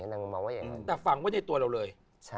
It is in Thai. แต่ฝังก็ในตัวเราเลย